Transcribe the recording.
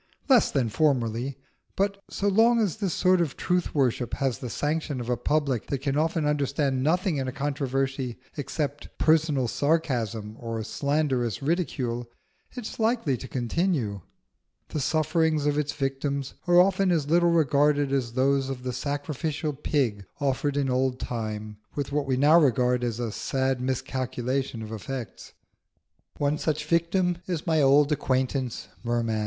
Less than formerly; but so long as this sort of truth worship has the sanction of a public that can often understand nothing in a controversy except personal sarcasm or slanderous ridicule, it is likely to continue. The sufferings of its victims are often as little regarded as those of the sacrificial pig offered in old time, with what we now regard as a sad miscalculation of effects. One such victim is my old acquaintance Merman.